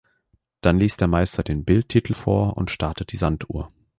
Dann liest der Meister den Bildtitel vor und startet die Sanduhr.